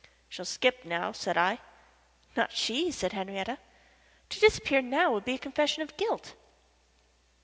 "She'll skip now," said I. "Not she," said Henriette. "To disappear now would be a confession of guilt.